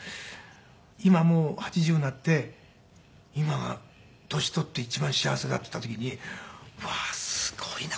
今もう８０になって「今が年取って一番幸せだ」って言った時にうわすごいな。